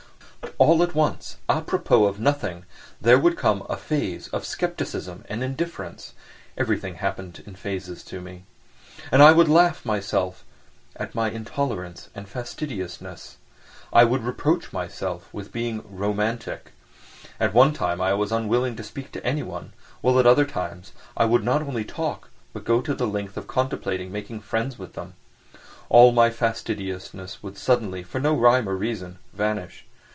But all at once, à propos of nothing, there would come a phase of scepticism and indifference (everything happened in phases to me), and I would laugh myself at my intolerance and fastidiousness, I would reproach myself with being romantic. At one time I was unwilling to speak to anyone, while at other times I would not only talk, but go to the length of contemplating making friends with them. All my fastidiousness would suddenly, for no rhyme or reason, vanish.